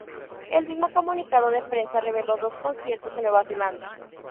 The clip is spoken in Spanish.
El mismo comunicado de prensa reveló dos conciertos en Nueva Zelanda.